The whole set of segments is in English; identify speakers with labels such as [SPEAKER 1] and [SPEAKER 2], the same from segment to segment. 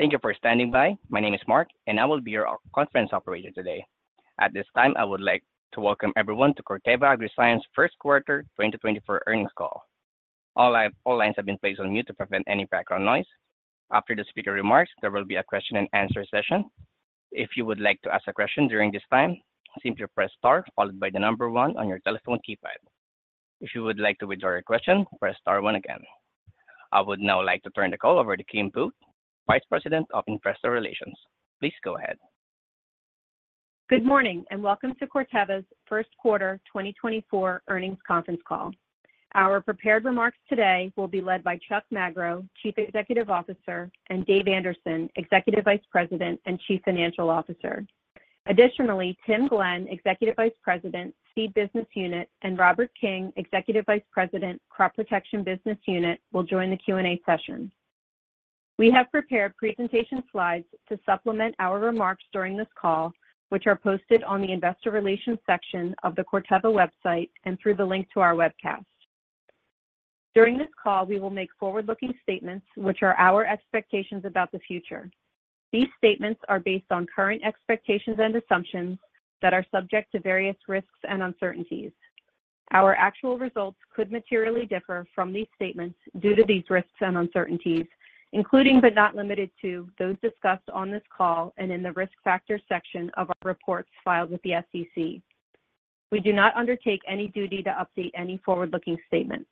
[SPEAKER 1] Thank you for standing by. My name is Mark, and I will be your conference operator today. At this time, I would like to welcome everyone to Corteva Agriscience Q1 2024 Earnings Call. All lines have been placed on mute to prevent any background noise. After the speaker remarks, there will be a question-and-answer session. If you would like to ask a question during this time, simply press Star, followed by the number one on your telephone keypad. If you would like to withdraw your question, press Star one again. I would now like to turn the call over to Kim Booth, Vice President of Investor Relations. Please go ahead.
[SPEAKER 2] Good morning, and welcome to Corteva's Q1 2024 Earnings Conference Call. Our prepared remarks today will be led by Chuck Magro, Chief Executive Officer, and Dave Anderson, Executive Vice President and Chief Financial Officer. Additionally, Tim Glenn, Executive Vice President, Seed Business Unit, and Robert King, Executive Vice President, Crop Protection Business Unit, will join the Q&A session. We have prepared presentation slides to supplement our remarks during this call, which are posted on the Investor Relations section of the Corteva website and through the link to our webcast. During this call, we will make forward-looking statements, which are our expectations about the future. These statements are based on current expectations and assumptions that are subject to various risks and uncertainties. Our actual results could materially differ from these statements due to these risks and uncertainties, including but not limited to, those discussed on this call and in the Risk Factors section of our reports filed with the SEC. We do not undertake any duty to update any forward-looking statements.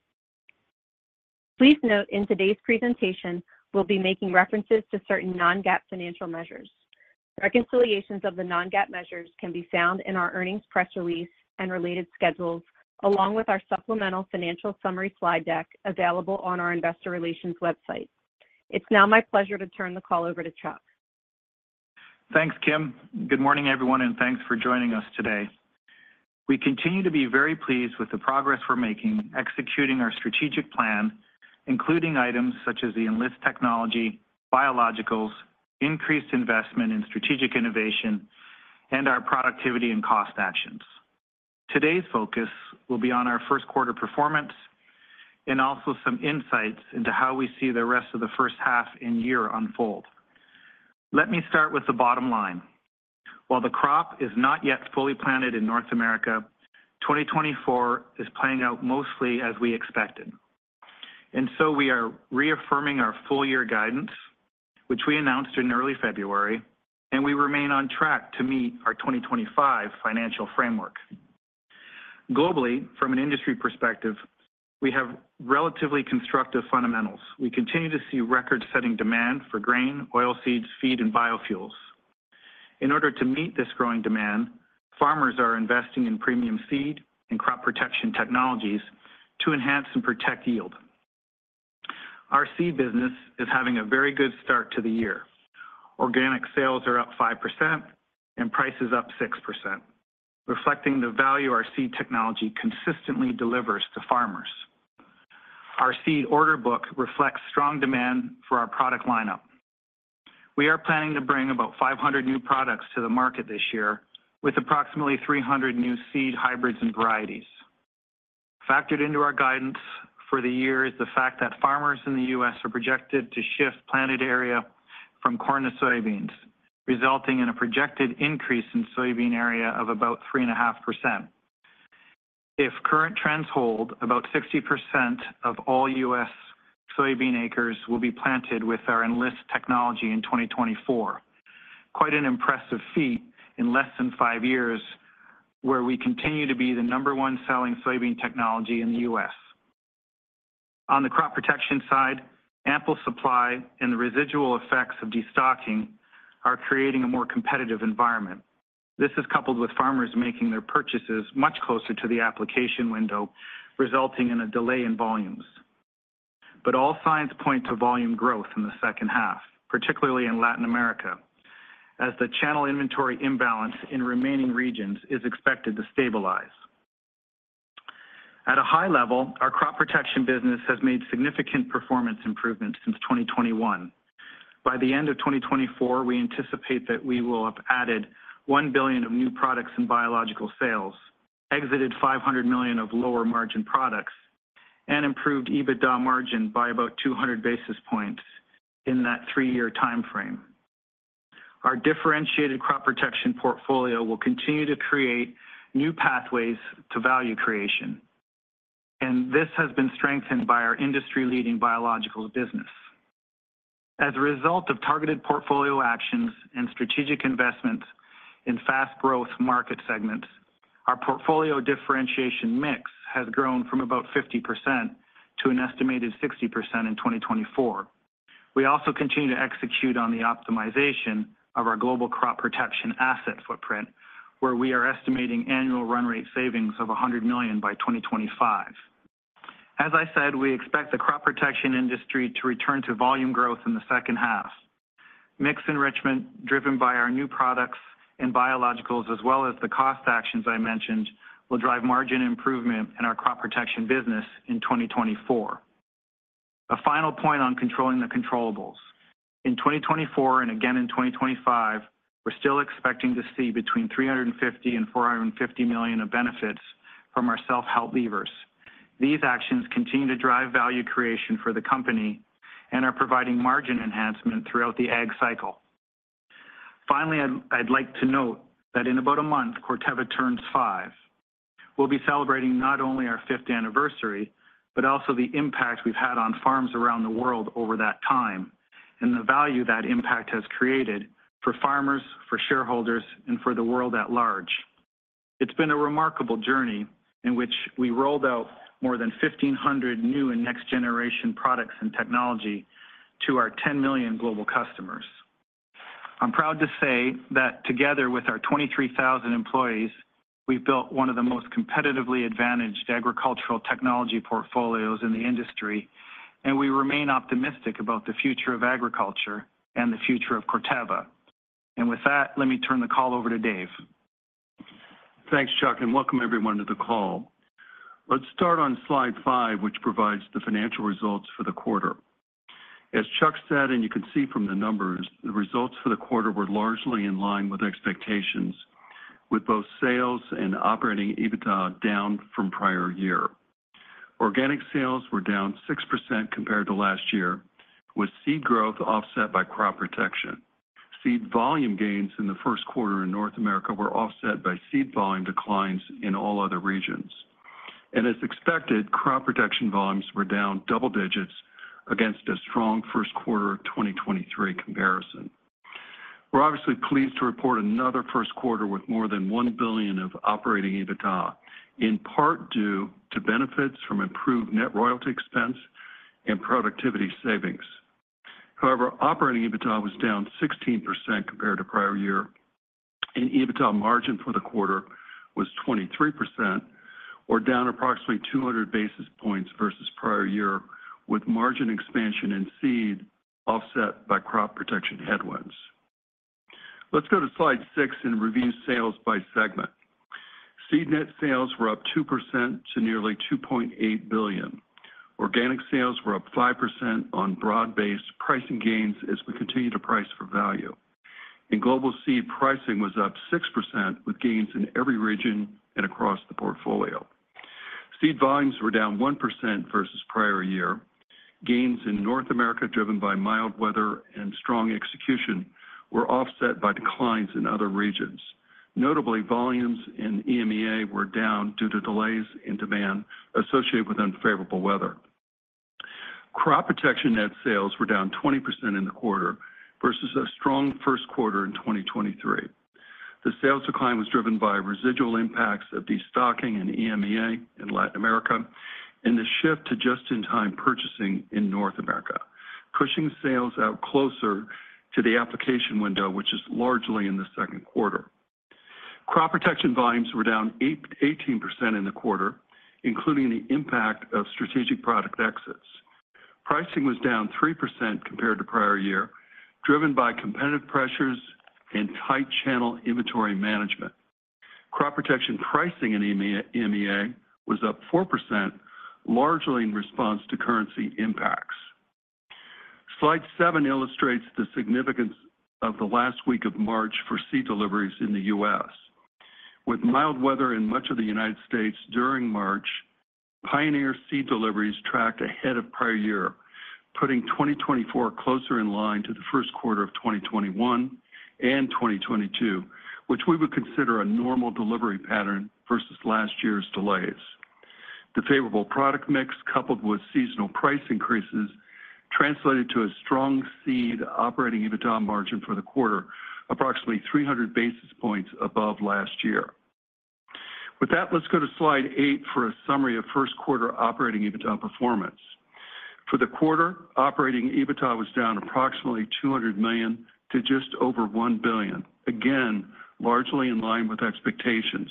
[SPEAKER 2] Please note in today's presentation, we'll be making references to certain non-GAAP financial measures. Reconciliations of the non-GAAP measures can be found in our earnings press release and related schedules, along with our supplemental financial summary slide deck available on our Investor Relations website. It's now my pleasure to turn the call over to Chuck.
[SPEAKER 3] Thanks, Kim. Good morning, everyone, and thanks for joining us today. We continue to be very pleased with the progress we're making, executing our strategic plan, including items such as the Enlist technology, biologicals, increased investment in strategic innovation, and our productivity and cost actions. Today's focus will be on our Q1 performance and also some insights into how we see the rest of the first half in year unfold. Let me start with the bottom line. While the crop is not yet fully planted in North America, 2024 is playing out mostly as we expected, and so we are reaffirming our full year guidance, which we announced in early February, and we remain on track to meet our 2025 financial framework. Globally, from an industry perspective, we have relatively constructive fundamentals. We continue to see record-setting demand for grain, oilseeds, feed, and biofuels. In order to meet this growing demand, farmers are investing in premium seed and crop protection technologies to enhance and protect yield. Our seed business is having a very good start to the year. Organic sales are up 5% and prices up 6%, reflecting the value our seed technology consistently delivers to farmers. Our seed order book reflects strong demand for our product lineup. We are planning to bring about 500 new products to the market this year, with approximately 300 new seed hybrids and varieties. Factored into our guidance for the year is the fact that farmers in the US are projected to shift planted area from corn to soybeans, resulting in a projected increase in soybean area of about 3.5%. If current trends hold, about 60% of all U.S. soybean acres will be planted with our Enlist technology in 2024. Quite an impressive feat in less than 5 years, where we continue to be the No. 1 selling soybean technology in the U.S. On the crop protection side, ample supply and the residual effects of destocking are creating a more competitive environment. This is coupled with farmers making their purchases much closer to the application window, resulting in a delay in volumes. But all signs point to volume growth in the second half, particularly in Latin America, as the channel inventory imbalance in remaining regions is expected to stabilize. At a high level, our crop protection business has made significant performance improvements since 2021. By the end of 2024, we anticipate that we will have added $1 billion of new products in biological sales, exited $500 million of lower margin products, and improved EBITDA margin by about 200 basis points in that three-year timeframe. Our differentiated crop protection portfolio will continue to create new pathways to value creation, and this has been strengthened by our industry-leading biological business. As a result of targeted portfolio actions and strategic investments in fast growth market segments, our portfolio differentiation mix has grown from about 50% to an estimated 60% in 2024. We also continue to execute on the optimization of our global crop protection asset footprint, where we are estimating annual run rate savings of $100 million by 2025. As I said, we expect the crop protection industry to return to volume growth in the second half. Mix enrichment, driven by our new products and biologicals, as well as the cost actions I mentioned, will drive margin improvement in our crop protection business in 2024. A final point on controlling the controllables. In 2024, and again in 2025, we're still expecting to see between $350 million and $450 million of benefits from our self-help levers. These actions continue to drive value creation for the company and are providing margin enhancement throughout the ag cycle. Finally, I'd, I'd like to note that in about a month, Corteva turns five. We'll be celebrating not only our fifth anniversary, but also the impact we've had on farms around the world over that time, and the value that impact has created for farmers, for shareholders, and for the world at large. It's been a remarkable journey in which we rolled out more than 1,500 new and next generation products and technology to our 10 million global customers. I'm proud to say that together with our 23,000 employees, we've built one of the most competitively advantaged agricultural technology portfolios in the industry, and we remain optimistic about the future of agriculture and the future of Corteva. With that, let me turn the call over to Dave.
[SPEAKER 4] Thanks, Chuck, and welcome everyone to the call. Let's start on slide 5, which provides the financial results for the quarter. As Chuck said, and you can see from the numbers, the results for the quarter were largely in line with expectations, with both sales and operating EBITDA down from prior year. Organic sales were down 6% compared to last year, with seed growth offset by crop protection. Seed volume gains in the Q1 in North America were offset by seed volume declines in all other regions. And as expected, crop protection volumes were down double digits against a strong Q1 of 2023 comparison. We're obviously pleased to report another Q1 with more than $1 billion of operating EBITDA, in part due to benefits from improved net royalty expense and productivity savings. However, operating EBITDA was down 16% compared to prior year, and EBITDA margin for the quarter was 23% or down approximately 200 basis points versus prior year, with margin expansion in seed offset by crop protection headwinds. Let's go to slide 6 and review sales by segment. Seed net sales were up 2% to nearly $2.8 billion. Organic sales were up 5% on broad-based pricing gains as we continue to price for value. Global seed pricing was up 6%, with gains in every region and across the portfolio. Seed volumes were down 1% versus prior year. Gains in North America, driven by mild weather and strong execution, were offset by declines in other regions. Notably, volumes in EMEA were down due to delays in demand associated with unfavorable weather. Crop protection net sales were down 20% in the quarter versus a strong Q1 in 2023. The sales decline was driven by residual impacts of destocking in EMEA and Latin America, and the shift to just-in-time purchasing in North America, pushing sales out closer to the application window, which is largely in the Q2. Crop protection volumes were down 8-18% in the quarter, including the impact of strategic product exits. Pricing was down 3% compared to prior year, driven by competitive pressures and tight channel inventory management. Crop protection pricing in EMEA was up 4%, largely in response to currency impacts. Slide 7 illustrates the significance of the last week of March for seed deliveries in the U.S. With mild weather in much of the United States during March, Pioneer seed deliveries tracked ahead of prior year, putting 2024 closer in line to the Q1 of 2021 and 2022, which we would consider a normal delivery pattern versus last year's delays. The favorable product mix, coupled with seasonal price increases, translated to a strong seed operating EBITDA margin for the quarter, approximately 300 basis points above last year. With that, let's go to slide 8 for a summary of Q1 operating EBITDA performance. For the quarter, operating EBITDA was down approximately $200 million to just over $1 billion. Again, largely in line with expectations.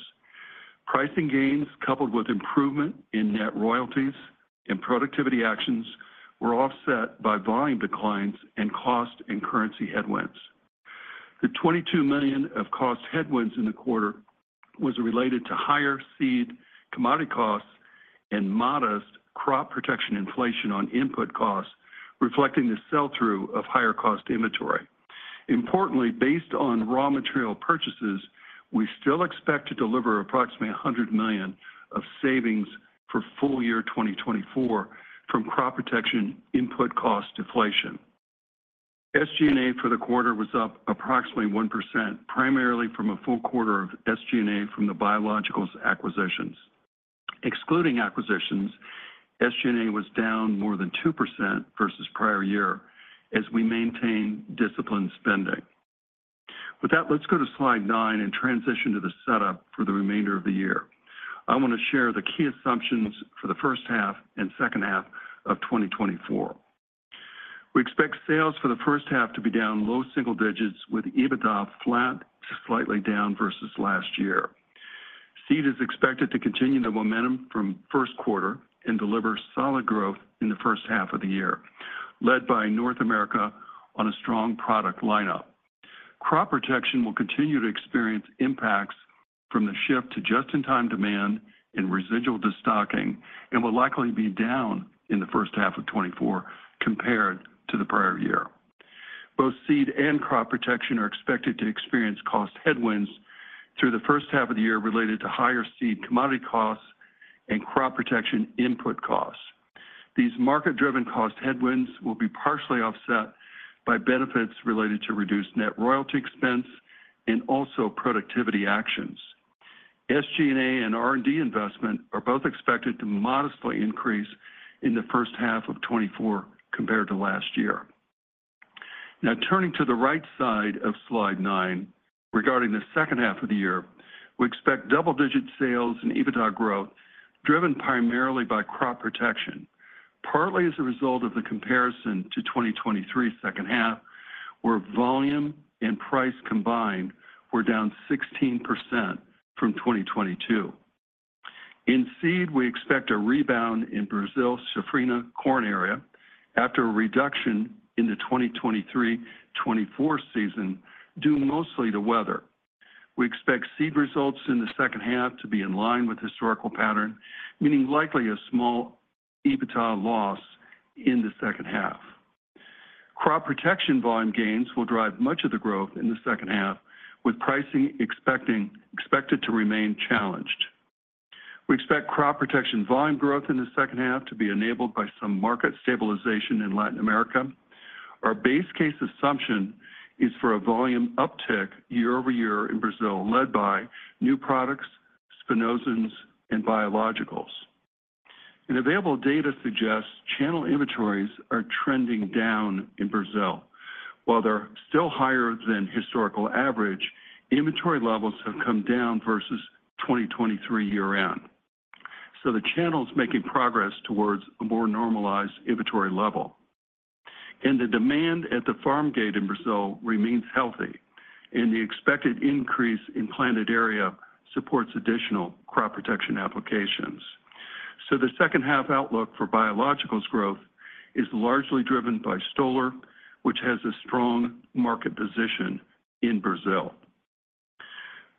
[SPEAKER 4] Pricing gains, coupled with improvement in net royalties and productivity actions, were offset by volume declines and cost and currency headwinds. The $22 million of cost headwinds in the quarter was related to higher seed commodity costs and modest crop protection inflation on input costs, reflecting the sell-through of higher cost inventory. Importantly, based on raw material purchases, we still expect to deliver approximately $100 million of savings for full year 2024 from crop protection input cost deflation. SG&A for the quarter was up approximately 1%, primarily from a full quarter of SG&A from the biologicals acquisitions. Excluding acquisitions, SG&A was down more than 2% versus prior year as we maintain disciplined spending. With that, let's go to slide 9 and transition to the setup for the remainder of the year. I want to share the key assumptions for the first half and second half of 2024. We expect sales for the first half to be down low single digits, with EBITDA flat to slightly down versus last year. Seed is expected to continue the momentum from Q1 and deliver solid growth in the first half of the year, led by North America on a strong product lineup. Crop protection will continue to experience impacts from the shift to just-in-time demand and residual destocking and will likely be down in the first half of 2024 compared to the prior year. Both seed and crop protection are expected to experience cost headwinds through the first half of the year related to higher seed commodity costs and crop protection input costs. These market-driven cost headwinds will be partially offset by benefits related to reduced net royalty expense and also productivity actions. SG&A and R&D investment are both expected to modestly increase in the first half of 2024 compared to last year. Now, turning to the right side of slide 9, regarding the second half of the year, we expect double-digit sales and EBITDA growth, driven primarily by crop protection, partly as a result of the comparison to 2023 second half, where volume and price combined were down 16% from 2022. In seed, we expect a rebound in Brazil Safrinha corn area after a reduction in the 2023/2024 season, due mostly to weather. We expect seed results in the second half to be in line with historical pattern, meaning likely a small EBITDA loss in the second half. Crop protection volume gains will drive much of the growth in the second half, with pricing expected to remain challenged. We expect crop protection volume growth in the second half to be enabled by some market stabilization in Latin America. Our base case assumption is for a volume uptick year over year in Brazil, led by new products, Spinosyns, and biologicals. Available data suggests channel inventories are trending down in Brazil. While they're still higher than historical average, inventory levels have come down versus 2023 year round. The channel's making progress towards a more normalized inventory level. The demand at the farm gate in Brazil remains healthy, and the expected increase in planted area supports additional crop protection applications. The second-half outlook for biologicals growth is largely driven by Stoller, which has a strong market position in Brazil.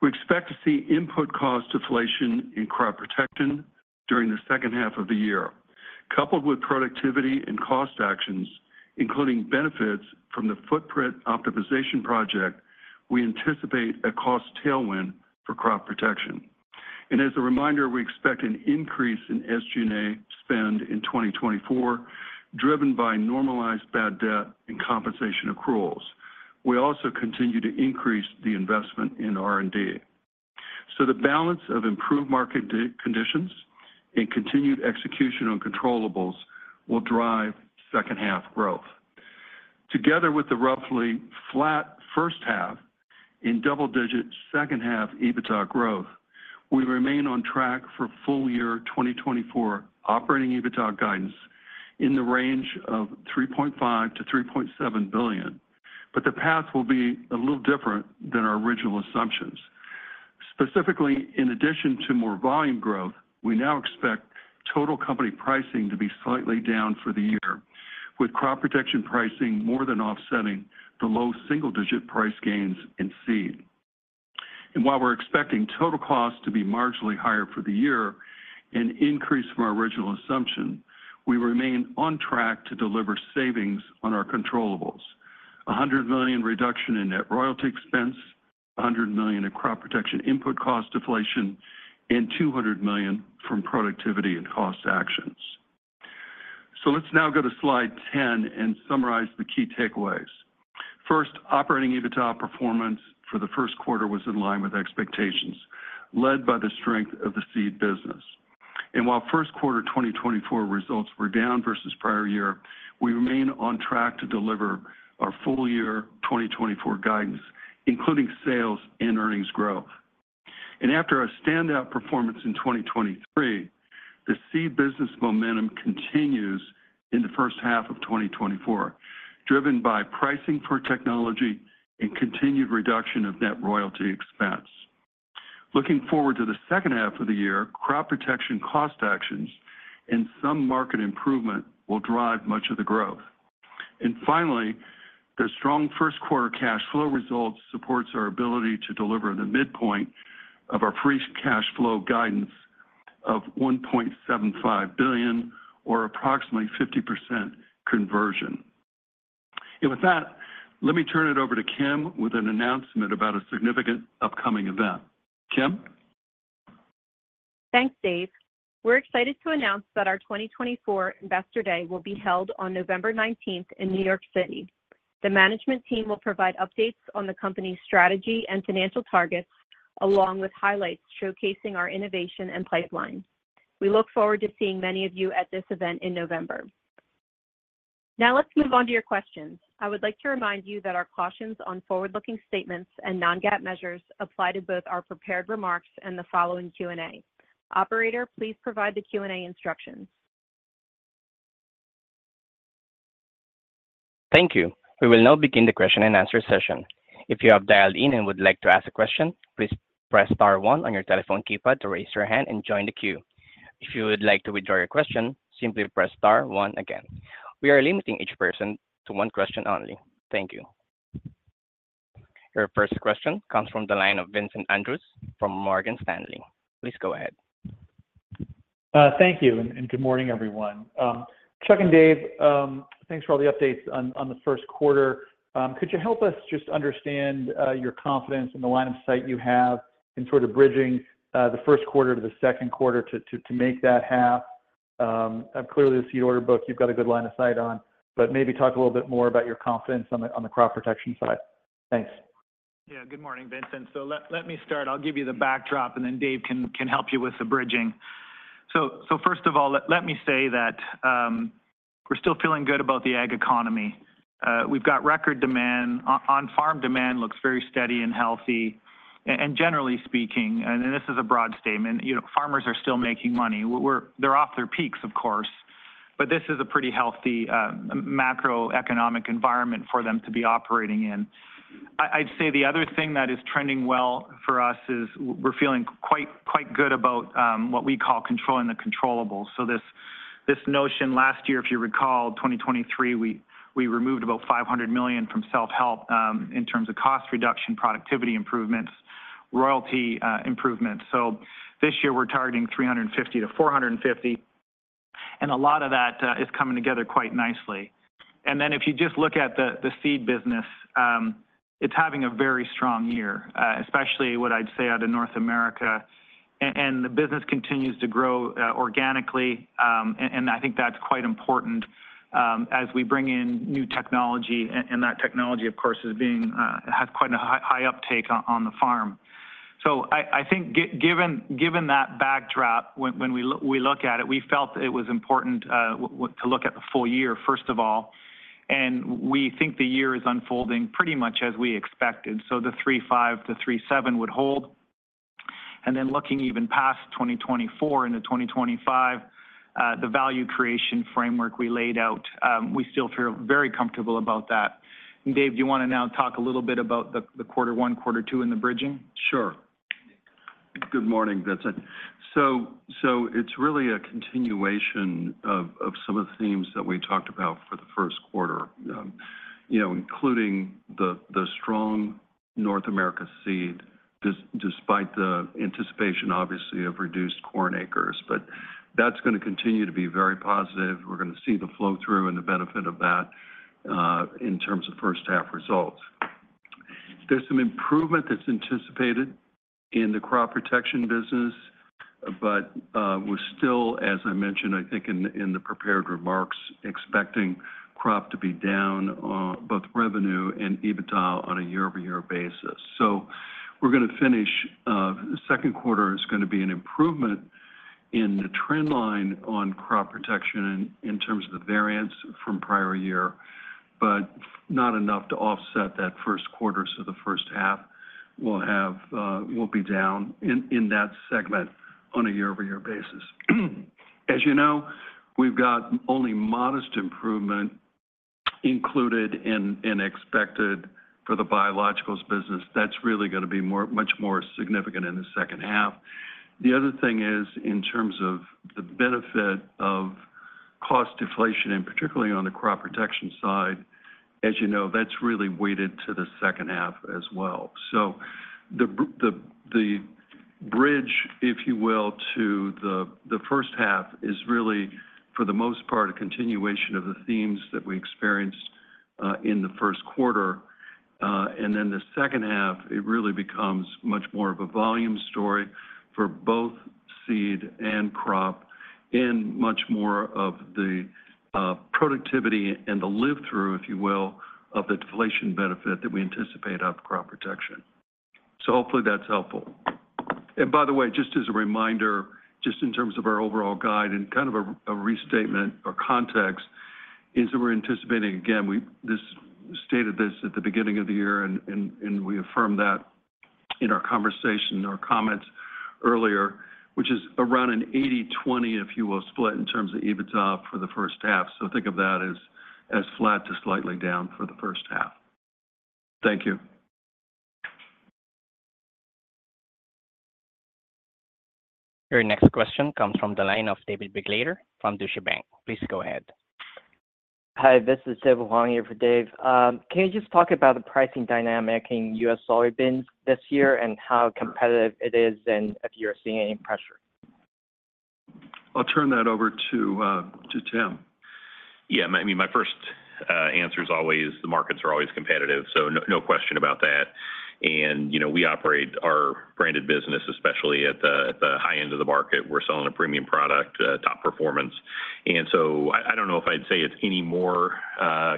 [SPEAKER 4] We expect to see input cost deflation in crop protection during the second half of the year. Coupled with productivity and cost actions, including benefits from the footprint optimization project, we anticipate a cost tailwind for crop protection. As a reminder, we expect an increase in SG&A spend in 2024, driven by normalized bad debt and compensation accruals. We also continue to increase the investment in R&D. The balance of improved market conditions and continued execution on controllables will drive second-half growth. Together with the roughly flat first half and double-digit second-half EBITDA growth, we remain on track for full year 2024 operating EBITDA guidance in the range of $3.5 billion-$3.7 billion, but the path will be a little different than our original assumptions. Specifically, in addition to more volume growth, we now expect total company pricing to be slightly down for the year, with crop protection pricing more than offsetting the low single-digit price gains in seed. While we're expecting total costs to be marginally higher for the year, an increase from our original assumption, we remain on track to deliver savings on our controllables. $100 million reduction in net royalty expense, $100 million in crop protection input cost deflation, and $200 million from productivity and cost actions. So let's now go to slide 10 and summarize the key takeaways. First, operating EBITDA performance for the Q1 was in line with expectations, led by the strength of the seed business. While Q1 2024 results were down versus prior year, we remain on track to deliver our full-year 2024 guidance, including sales and earnings growth. After our standout performance in 2023, the seed business momentum continues in the first half of 2024, driven by pricing for technology and continued reduction of net royalty expense. Looking forward to the second half of the year, crop protection cost actions and some market improvement will drive much of the growth. And finally, the strong Q1 cash flow results supports our ability to deliver the midpoint of our free cash flow guidance of $1.75 billion or approximately 50% conversion. And with that, let me turn it over to Kim with an announcement about a significant upcoming event. Kim?
[SPEAKER 2] Thanks, Dave. We're excited to announce that our 2024 Investor Day will be held on November 19th in New York City. The management team will provide updates on the company's strategy and financial targets, along with highlights showcasing our innovation and pipeline. We look forward to seeing many of you at this event in November. Now, let's move on to your questions. I would like to remind you that our cautions on forward-looking statements and non-GAAP measures apply to both our prepared remarks and the following Q&A. Operator, please provide the Q&A instructions.
[SPEAKER 1] Thank you. We will now begin the question-and-answer session. If you have dialed in and would like to ask a question, please press star one on your telephone keypad to raise your hand and join the queue. If you would like to withdraw your question, simply press star one again. We are limiting each person to one question only. Thank you.... Your first question comes from the line of Vincent Andrews from Morgan Stanley. Please go ahead.
[SPEAKER 5] Thank you, and good morning, everyone. Chuck and Dave, thanks for all the updates on the Q1. Could you help us just understand your confidence in the line of sight you have in sort of bridging the Q1 to the Q2 to make that half? Clearly, the seed order book, you've got a good line of sight on, but maybe talk a little bit more about your confidence on the crop protection side. Thanks.
[SPEAKER 3] Yeah. Good morning, Vincent. So let me start. I'll give you the backdrop, and then Dave can help you with the bridging. So first of all, let me say that we're still feeling good about the ag economy. We've got record demand. On-farm demand looks very steady and healthy. And generally speaking, and this is a broad statement, you know, farmers are still making money. We're--they're off their peaks, of course, but this is a pretty healthy macroeconomic environment for them to be operating in. I'd say the other thing that is trending well for us is we're feeling quite good about what we call controlling the controllables. So this notion last year, if you recall, 2023, we removed about $500 million from self-help in terms of cost reduction, productivity improvements, royalty improvements. So this year, we're targeting $350 million-$450 million, and a lot of that is coming together quite nicely. And then, if you just look at the seed business, it's having a very strong year, especially what I'd say out in North America. And the business continues to grow organically, and I think that's quite important as we bring in new technology, and that technology, of course, is being, it has quite a high uptake on the farm. So I think given that backdrop, when we look at it, we felt it was important to look at the full year, first of all, and we think the year is unfolding pretty much as we expected, so the 3.5-3.7 would hold. And then, looking even past 2024 into 2025, the value creation framework we laid out, we still feel very comfortable about that. And, Dave, do you want to now talk a little bit about the quarter one, quarter two, and the bridging?
[SPEAKER 4] Sure. Good morning, Vincent. So it's really a continuation of some of the themes that we talked about for the Q1, you know, including the strong North America seed, despite the anticipation, obviously, of reduced corn acres. But that's gonna continue to be very positive. We're gonna see the flow-through and the benefit of that in terms of first half results. There's some improvement that's anticipated in the crop protection business, but we're still, as I mentioned, I think, in the prepared remarks, expecting crop to be down on both revenue and EBITDA on a year-over-year basis. So we're gonna finish, the Q2 is gonna be an improvement in the trend line on crop protection in terms of the variance from prior year, but not enough to offset that Q1, so the first half will have, will be down in that segment on a year-over-year basis. As you know, we've got only modest improvement included in expected for the biologicals business. That's really gonna be much more significant in the second half. The other thing is, in terms of the benefit of cost deflation, and particularly on the crop protection side, as you know, that's really weighted to the second half as well. So the bridge, if you will, to the first half is really, for the most part, a continuation of the themes that we experienced in the Q1. And then the second half, it really becomes much more of a volume story for both seed and crop and much more of the productivity and the flow-through, if you will, of the deflation benefit that we anticipate out of crop protection. So hopefully that's helpful. And by the way, just as a reminder, just in terms of our overall guide and kind of a restatement or context, is that we're anticipating. Again, we just stated this at the beginning of the year, and, and, and we affirmed that in our conversation, in our comments earlier, which is around an 80-20, if you will, split in terms of EBITDA for the first half, so think of that as flat to slightly down for the first half. Thank you.
[SPEAKER 1] Your next question comes from the line of David Begleiter from Deutsche Bank. Please go ahead.
[SPEAKER 6] Hi, this is David Huang here for Dave. Can you just talk about the pricing dynamic in U.S. soybeans this year and how competitive it is and if you're seeing any pressure?
[SPEAKER 4] I'll turn that over to, to Tim.
[SPEAKER 7] Yeah, I mean, my first answer is always the markets are always competitive, so no question about that. And, you know, we operate our branded business, especially at the high end of the market. We're selling a premium product, top performance, and so I don't know if I'd say it's any more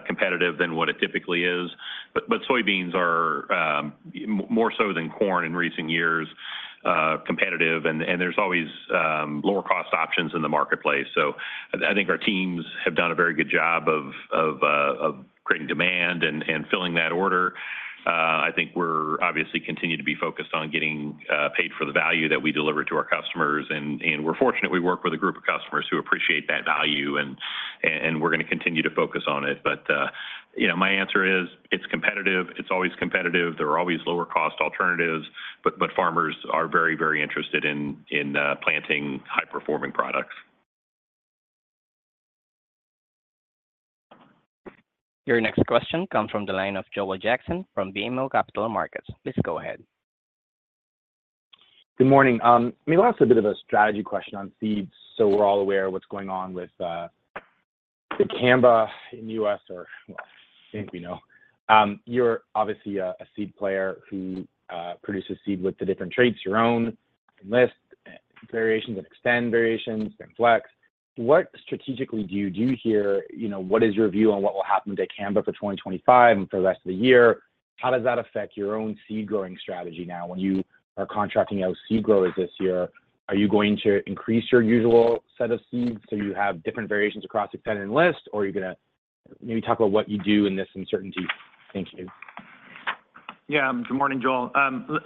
[SPEAKER 7] competitive than what it typically is. But soybeans are more so than corn in recent years, competitive, and there's always lower-cost options in the marketplace. So I think our teams have done a very good job of creating demand and filling that order. I think we're obviously continue to be focused on getting paid for the value that we deliver to our customers, and, and we're fortunate we work with a group of customers who appreciate that value, and, and we're gonna continue to focus on it. But, you know, my answer is it's competitive. It's always competitive. There are always lower-cost alternatives, but, but farmers are very, very interested in, in planting high-performing products.
[SPEAKER 1] Your next question comes from the line of Joel Jackson from BMO Capital Markets. Please go ahead.
[SPEAKER 8] Good morning. I mean, I'll ask a bit of a strategy question on seeds, so we're all aware of what's going on with the dicamba in U.S., or well, I think we know. You're obviously a seed player who produces seed with the different traits, your own Enlist, variations of Xtend, variations and Flex. What strategically do you do here? You know, what is your view on what will happen to dicamba for 2025 and for the rest of the year? How does that affect your own seed growing strategy now when you are contracting out seed growers this year? Are you going to increase your usual set of seeds, so you have different variations across Enlist? Or are you gonna maybe talk about what you do in this uncertainty? Thank you.
[SPEAKER 3] Yeah. Good morning, Joel.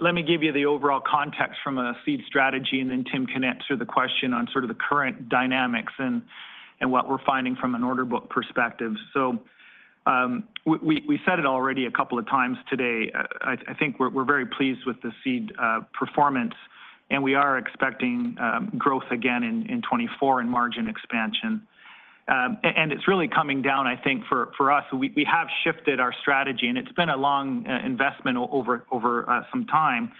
[SPEAKER 3] Let me give you the overall context from a seed strategy, and then Tim can answer the question on sort of the current dynamics and what we're finding from an order book perspective. So, we said it already a couple of times today. I think we're very pleased with the seed performance, and we are expecting growth again in 2024 and margin expansion. And it's really coming down, I think, for us. We have shifted our strategy, and it's been a long investment over some time.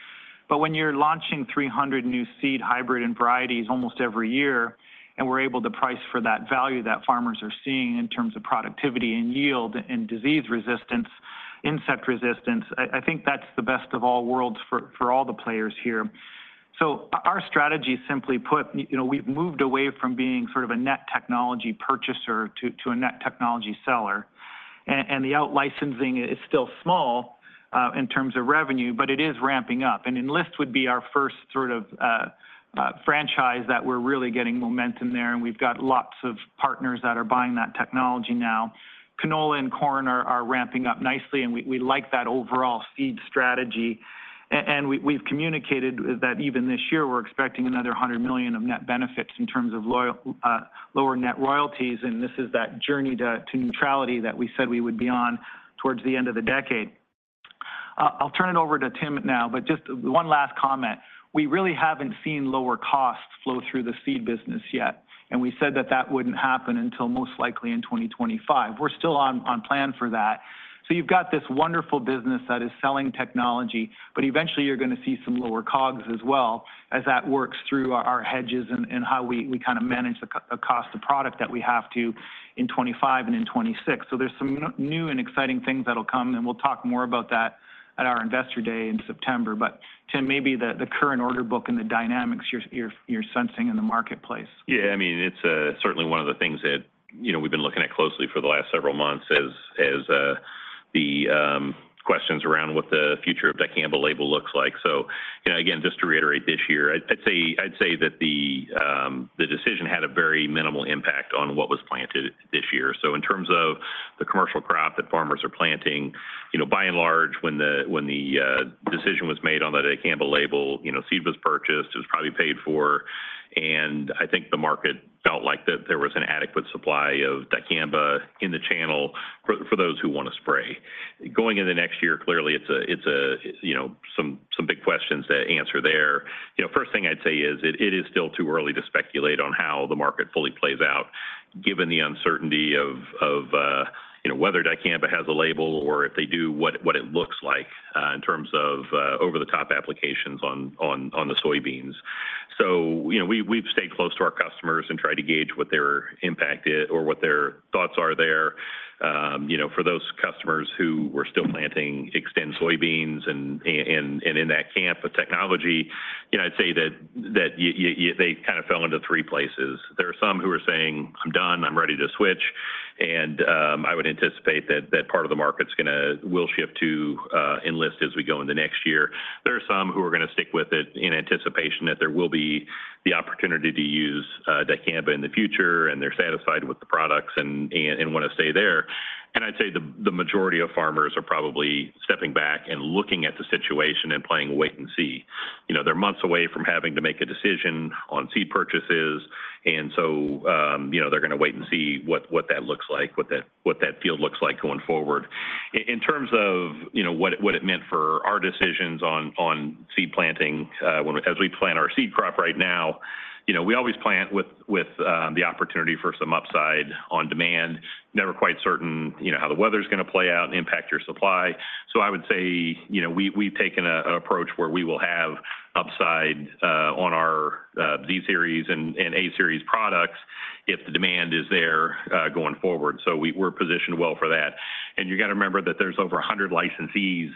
[SPEAKER 3] But when you're launching 300 new seed hybrid and varieties almost every year, and we're able to price for that value that farmers are seeing in terms of productivity and yield and disease resistance, insect resistance, I think that's the best of all worlds for all the players here. So our strategy, simply put, you know, we've moved away from being sort of a net technology purchaser to a net technology seller. And the out licensing is still small in terms of revenue, but it is ramping up. And Enlist would be our first sort of franchise that we're really getting momentum there, and we've got lots of partners that are buying that technology now. Canola and corn are ramping up nicely, and we like that overall seed strategy. And we, we've communicated that even this year, we're expecting another $100 million of net benefits in terms of loyal... lower net royalties, and this is that journey to, to neutrality that we said we would be on towards the end of the decade. I'll turn it over to Tim now, but just one last comment. We really haven't seen lower costs flow through the seed business yet, and we said that that wouldn't happen until most likely in 2025. We're still on, on plan for that. So you've got this wonderful business that is selling technology, but eventually you're gonna see some lower cogs as well as that works through our, our hedges and, and how we, we kinda manage the cost of product that we have to in 2025 and in 2026. So there's some new and exciting things that'll come, and we'll talk more about that at our Investor Day in September. But Tim, maybe the current order book and the dynamics you're sensing in the marketplace.
[SPEAKER 7] Yeah, I mean, it's certainly one of the things that, you know, we've been looking at closely for the last several months as the questions around what the future of Dicamba label looks like. So, you know, again, just to reiterate, this year, I'd say that the decision had a very minimal impact on what was planted this year. So in terms of the commercial crop that farmers are planting, you know, by and large, when the decision was made on the Dicamba label, you know, seed was purchased, it was probably paid for, and I think the market felt like that there was an adequate supply of Dicamba in the channel for those who want to spray. Going in the next year, clearly, it's a, you know, some big questions to answer there. You know, first thing I'd say is, it is still too early to speculate on how the market fully plays out, given the uncertainty of, you know, whether Dicamba has a label or if they do, what it looks like, in terms of, over-the-top applications on the soybeans. So, you know, we've stayed close to our customers and tried to gauge what their impact is or what their thoughts are there. You know, for those customers who were still planting Xtend soybeans and in that camp of technology, you know, I'd say that they kind of fell into three places. There are some who are saying, "I'm done, I'm ready to switch." And, I would anticipate that that part of the market's gonna will shift to Enlist as we go in the next year. There are some who are gonna stick with it in anticipation that there will be the opportunity to use Dicamba in the future, and they're satisfied with the products and wanna stay there. I'd say the majority of farmers are probably stepping back and looking at the situation and playing wait and see. You know, they're months away from having to make a decision on seed purchases, and so you know, they're gonna wait and see what that looks like, what that field looks like going forward. In terms of, you know, what it meant for our decisions on seed planting, when we plant our seed crop right now, you know, we always plant with the opportunity for some upside on demand, never quite certain, you know, how the weather's gonna play out and impact your supply. So I would say, you know, we've taken an approach where we will have upside on our Z-Series and A-Series products if the demand is there, going forward. So we're positioned well for that. And you gotta remember that there's over 100 licensees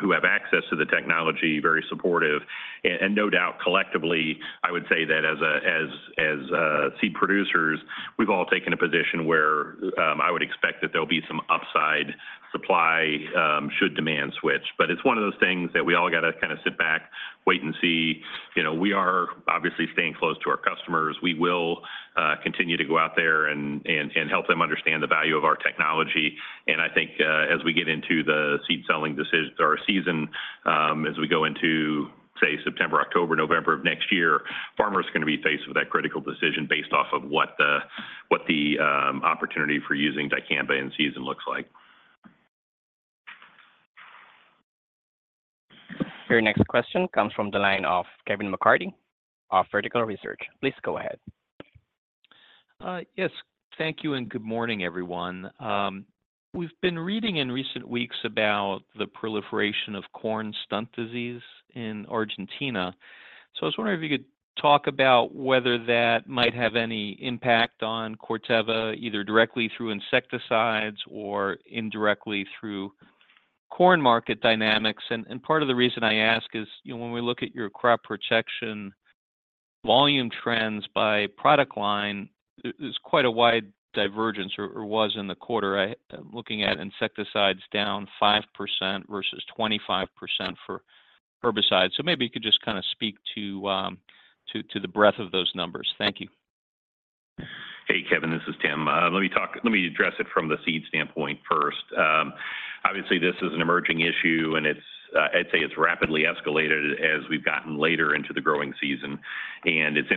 [SPEAKER 7] who have access to the technology, very supportive. And no doubt, collectively, I would say that as seed producers, we've all taken a position where I would expect that there'll be some upside supply should demand switch. But it's one of those things that we all gotta kinda sit back, wait and see. You know, we are obviously staying close to our customers. We will continue to go out there and help them understand the value of our technology. And I think as we get into the seed selling season, as we go into, say, September, October, November of next year, farmers are gonna be faced with that critical decision based off of what the opportunity for using Dicamba in season looks like. ...
[SPEAKER 1] Your next question comes from the line of Kevin McCarthy of Vertical Research Partners. Please go ahead.
[SPEAKER 9] Yes, thank you, and good morning, everyone. We've been reading in recent weeks about the proliferation of corn stunt disease in Argentina. So I was wondering if you could talk about whether that might have any impact on Corteva, either directly through insecticides or indirectly through corn market dynamics. Part of the reason I ask is, you know, when we look at your crop protection volume trends by product line, there's quite a wide divergence or was in the quarter. Looking at insecticides down 5% versus 25% for herbicides. So maybe you could just kind of speak to the breadth of those numbers. Thank you.
[SPEAKER 7] Hey, Kevin, this is Tim. Let me address it from the seed standpoint first. Obviously, this is an emerging issue, and it's, I'd say it's rapidly escalated as we've gotten later into the growing season, and it's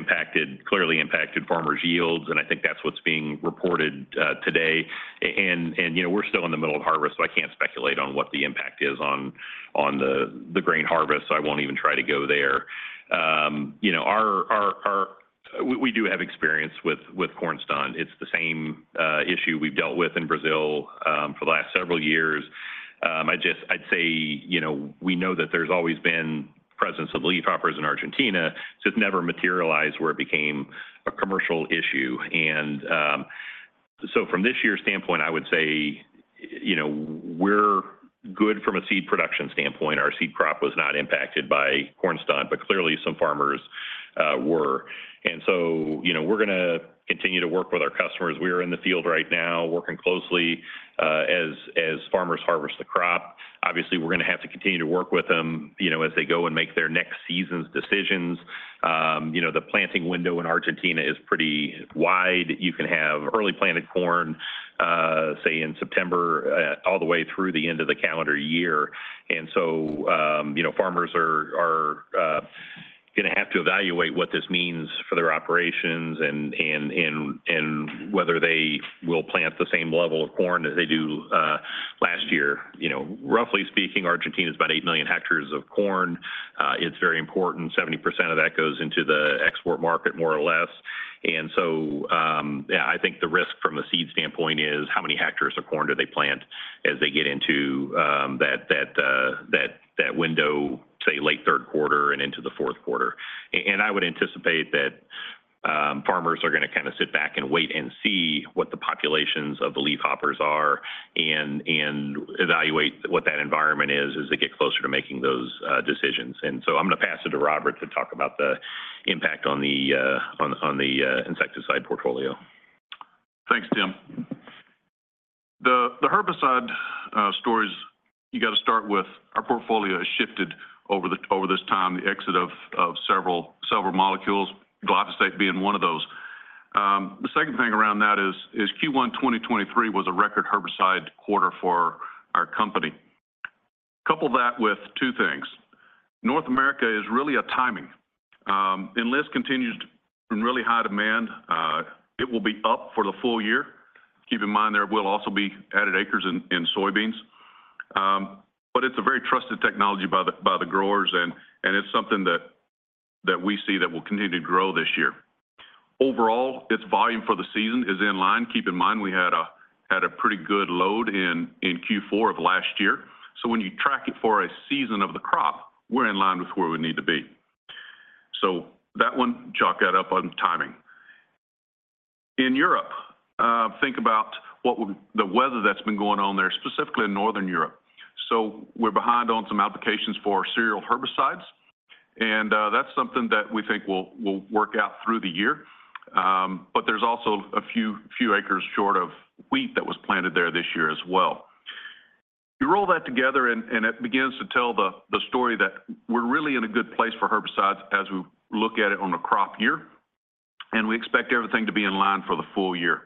[SPEAKER 7] clearly impacted farmers' yields, and I think that's what's being reported today. And you know, we're still in the middle of harvest, so I can't speculate on what the impact is on the grain harvest, so I won't even try to go there. You know, we do have experience with corn stunt. It's the same issue we've dealt with in Brazil for the last several years. I'd say, you know, we know that there's always been presence of leafhoppers in Argentina, so it's never materialized where it became a commercial issue. So from this year's standpoint, I would say, you know, we're good from a seed production standpoint. Our seed crop was not impacted by corn stunt, but clearly some farmers were. So, you know, we're gonna continue to work with our customers. We are in the field right now, working closely as farmers harvest the crop. Obviously, we're gonna have to continue to work with them, you know, as they go and make their next season's decisions. You know, the planting window in Argentina is pretty wide. You can have early-planted corn, say, in September, all the way through the end of the calendar year. So, you know, farmers are gonna have to evaluate what this means for their operations and whether they will plant the same level of corn as they do, last year. You know, roughly speaking, Argentina is about 8 million hectares of corn. It's very important. 70% of that goes into the export market, more or less. And so, yeah, I think the risk from a seed standpoint is how many hectares of corn do they plant as they get into that window, say, late Q3 and into the Q4? And I would anticipate that, farmers are gonna kind of sit back and wait and see what the populations of the leafhoppers are and evaluate what that environment is, as they get closer to making those decisions. And so I'm gonna pass it to Robert to talk about the impact on the insecticide portfolio.
[SPEAKER 10] Thanks, Tim. The herbicide story is, you got to start with our portfolio has shifted over this time, the exit of several molecules, glyphosate being one of those. The second thing around that is Q1 2023 was a record herbicide quarter for our company. Couple that with two things. North America is really a timing. Enlist continues in really high demand. It will be up for the full year. Keep in mind, there will also be added acres in soybeans. But it's a very trusted technology by the growers, and it's something that we see that will continue to grow this year. Overall, its volume for the season is in line. Keep in mind, we had a pretty good load in Q4 of last year, so when you track it for a season of the crop, we're in line with where we need to be. So that one, chalk that up on timing. In Europe, think about the weather that's been going on there, specifically in Northern Europe. So we're behind on some applications for cereal herbicides, and that's something that we think will work out through the year. But there's also a few acres short of wheat that was planted there this year as well. You roll that together and it begins to tell the story that we're really in a good place for herbicides as we look at it on a crop year, and we expect everything to be in line for the full year.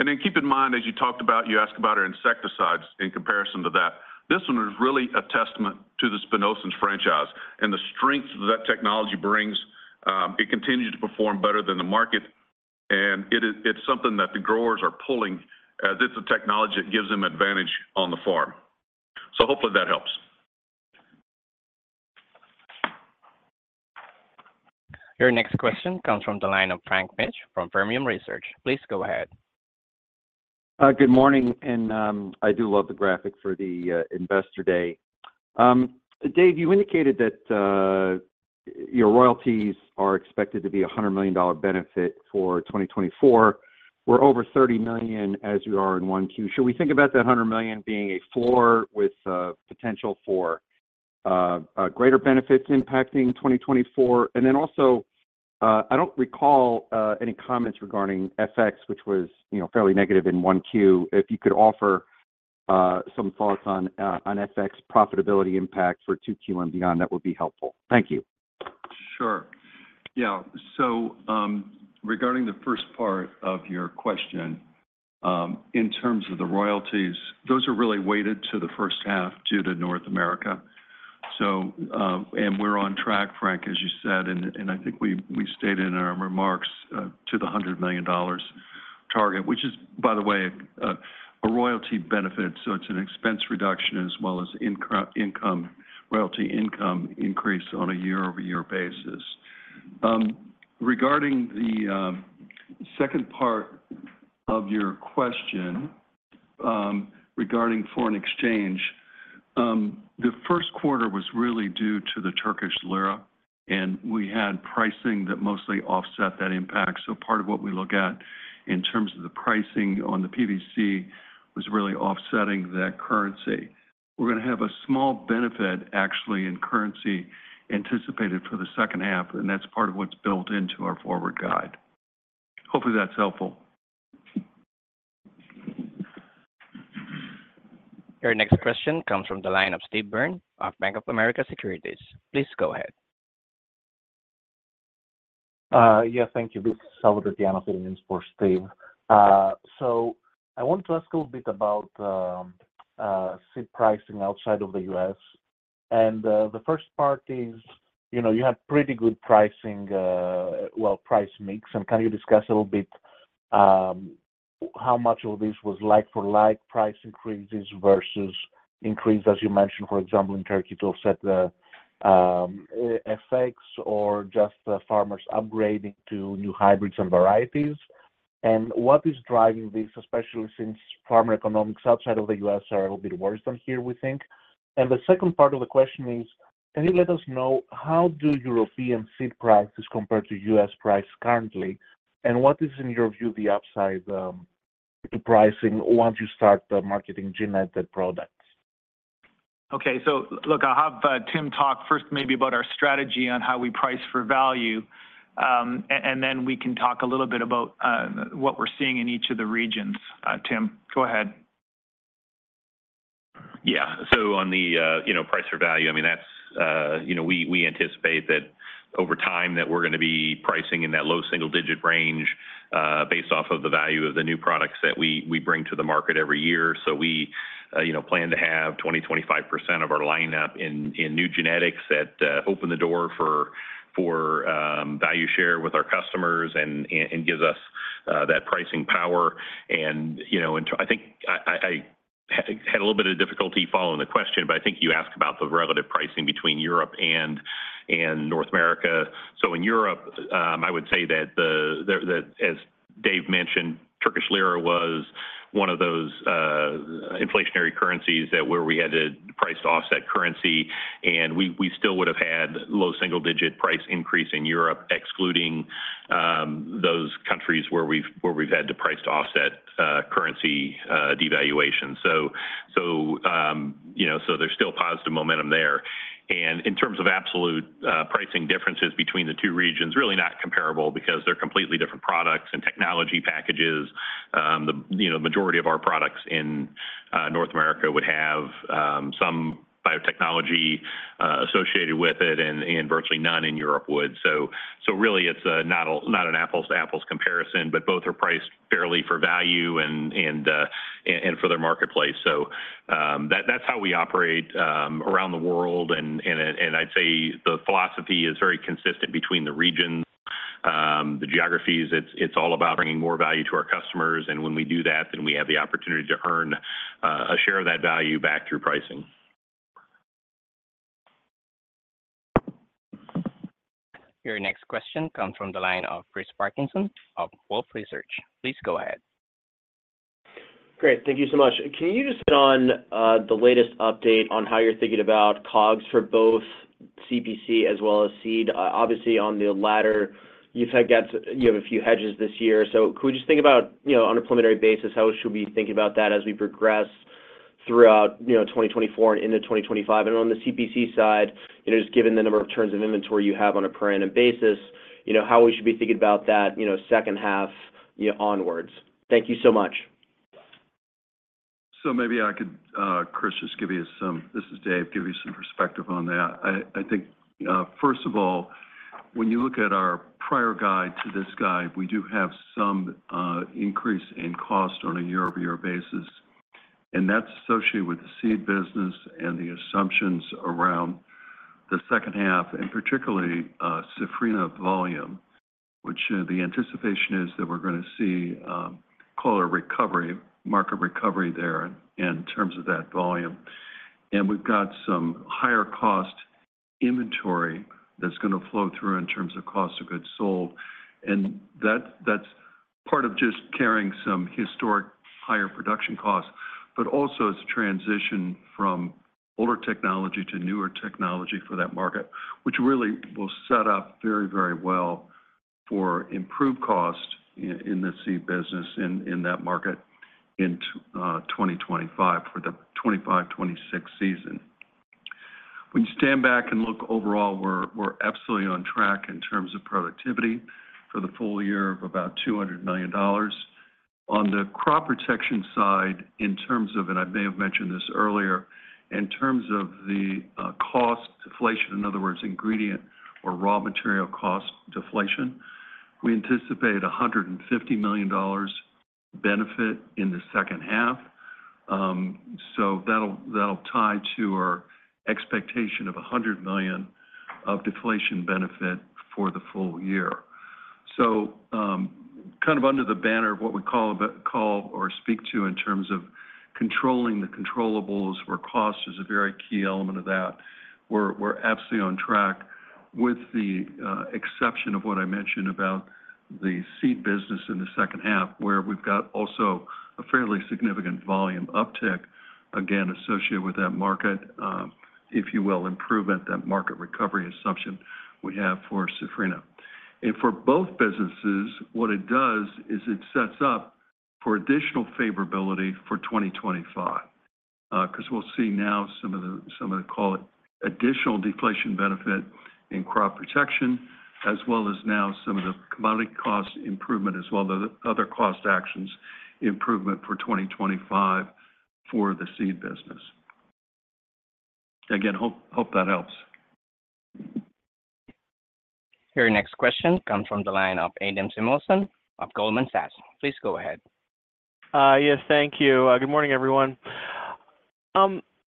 [SPEAKER 10] And then keep in mind, as you talked about, you asked about our insecticides in comparison to that. This one is really a testament to the spinosyns franchise and the strength that technology brings. It continues to perform better than the market, and it's something that the growers are pulling, as it's a technology that gives them advantage on the farm. So hopefully that helps.
[SPEAKER 1] Your next question comes from the line of Frank Mitsch from Fermium Research. Please go ahead.
[SPEAKER 11] Good morning, and I do love the graphic for the Investor Day. Dave, you indicated that your royalties are expected to be a $100 million benefit for 2024. We're over $30 million as you are in 1Q. Should we think about that $100 million being a floor with potential for a greater benefits impacting 2024? And then also, I don't recall any comments regarding FX, which was, you know, fairly negative in 1Q. If you could offer some thoughts on FX profitability impact for 2Q and beyond, that would be helpful. Thank you.
[SPEAKER 4] Sure. Yeah. So, regarding the first part of your question, in terms of the royalties, those are really weighted to the first half due to North America. So, and we're on track, Frank, as you said, and I think we stated in our remarks to the $100 million target, which is, by the way, a royalty benefit, so it's an expense reduction as well as income, royalty income increase on a year-over-year basis. Regarding the second part of your question, regarding foreign exchange, the Q1 was really due to the Turkish lira, and we had pricing that mostly offset that impact. So part of what we look at in terms of the pricing on the PVC was really offsetting that currency. We're gonna have a small benefit, actually, in currency anticipated for the second half, and that's part of what's built into our forward guide. Hopefully, that's helpful.
[SPEAKER 1] Your next question comes from the line of Stephen Byrne of Bank of America Securities. Please go ahead.
[SPEAKER 12] Yeah, thank you. This is Salvator Tiano, filling in for Stephen. So I want to ask a little bit about seed pricing outside of the U.S. And the first part is, you know, you had pretty good pricing, well, price mix. And can you discuss a little bit how much of this was like for like price increases versus increase, as you mentioned, for example, in Turkey, to offset the effects or just the farmers upgrading to new hybrids and varieties? And what is driving this, especially since farmer economics outside of the U.S. are a little bit worse than here, we think. And the second part of the question is: can you let us know how do European seed prices compare to U.S. price currently? What is, in your view, the upside to pricing once you start the marketing genetic products?
[SPEAKER 3] Okay. So look, I'll have Tim talk first, maybe about our strategy on how we price for value. And then we can talk a little bit about what we're seeing in each of the regions. Tim, go ahead.
[SPEAKER 7] Yeah. So on the, you know, price for value, I mean, that's, you know, we, we anticipate that over time that we're gonna be pricing in that low single-digit range, based off of the value of the new products that we, we bring to the market every year. So we, you know, plan to have 20-25% of our lineup in, in new genetics that, open the door for, for, value share with our customers and, and gives us, that pricing power. And, you know, and I think I, I, I had a little bit of difficulty following the question, but I think you asked about the relative pricing between Europe and, and North America. So in Europe, I would say that as Dave mentioned, Turkish lira was one of those inflationary currencies that where we had to price to offset currency, and we still would have had low single-digit price increase in Europe, excluding those countries where we've had to price to offset currency devaluation. So, you know, so there's still positive momentum there. And in terms of absolute pricing differences between the two regions, really not comparable because they're completely different products and technology packages. You know, majority of our products in North America would have some biotechnology associated with it, and virtually none in Europe would. So really it's not a not an apples-to-apples comparison, but both are priced fairly for value and for their marketplace. So, that's how we operate around the world, and I'd say the philosophy is very consistent between the regions, the geographies. It's all about bringing more value to our customers, and when we do that, then we have the opportunity to earn a share of that value back through pricing.
[SPEAKER 1] Your next question comes from the line of Christopher Parkinson of Wolfe Research. Please go ahead.
[SPEAKER 13] Great. Thank you so much. Can you just give us an update on the latest on how you're thinking about COGS for both CPC as well as seed? Obviously, on the latter, you've had that—you have a few hedges this year. So could you just think about, you know, on a preliminary basis, how should we think about that as we progress throughout, you know, 2024 and into 2025? And on the CPC side, you know, just given the number of turns of inventory you have on a per annum basis, you know, how we should be thinking about that, you know, second half, you know, onwards. Thank you so much.
[SPEAKER 4] So maybe I could, Chris, just give you some... This is Dave, give you some perspective on that. I think, first of all, when you look at our prior guide to this guide, we do have some increase in cost on a year-over-year basis, and that's associated with the seed business and the assumptions around the second half, and particularly, Safrinha volume, which the anticipation is that we're gonna see, call it a recovery, market recovery there in terms of that volume. And we've got some higher cost inventory that's gonna flow through in terms of cost of goods sold, and that's part of just carrying some historic higher production costs, but also it's a transition from older technology to newer technology for that market, which really will set up very, very well for improved cost in the seed business in that market in 2025, for the 25, 26 season. When you stand back and look overall, we're absolutely on track in terms of productivity for the full year of about $200 million. On the crop protection side, in terms of cost deflation, in other words, ingredient or raw material cost deflation, we anticipate a $150 million benefit in the second half.... So that'll tie to our expectation of $100 million of deflation benefit for the full year. So, kind of under the banner of what we call the, call or speak to in terms of controlling the controllables, where cost is a very key element of that, we're absolutely on track, with the exception of what I mentioned about the seed business in the second half, where we've got also a fairly significant volume uptick, again, associated with that market, if you will, improvement, that market recovery assumption we have for Safrinha. And for both businesses, what it does is it sets up for additional favorability for 2025. 'Cause we'll see now some of the, call it, additional deflation benefit in crop protection, as well as now some of the commodity cost improvement, as well as the other cost actions improvement for 2025 for the seed business. Again, hope that helps.
[SPEAKER 1] Your next question comes from the line of Adam Samuelson of Goldman Sachs. Please go ahead.
[SPEAKER 14] Yes, thank you. Good morning, everyone.